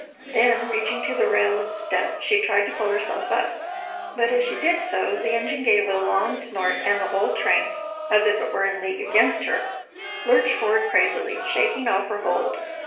Then, reaching to the rail of the step, she tried to pull herself up, but as she did so the engine gave a long snort and the whole train, as if it were in league against her, lurched forward crazily, shaking off her hold.